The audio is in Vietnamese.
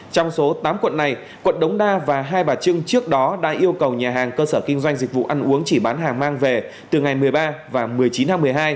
trong số tám quận này quận đống đa và hai bà trưng trước đó đã yêu cầu nhà hàng cơ sở kinh doanh dịch vụ ăn uống chỉ bán hàng mang về từ ngày một mươi ba và một mươi chín tháng một mươi hai